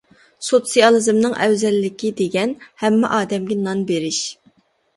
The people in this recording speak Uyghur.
سوتسىيالىزمنىڭ ئەۋزەللىكى دېگەن ھەممە ئادەمگە نان بېرىش.